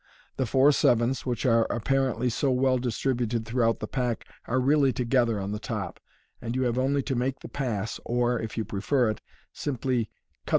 The four sevens, which are apparently so urell distributed throughout the pack, are really together on the top, and you have only to make the pass, or, if you prefer it, simply cut MODERN MAGIC.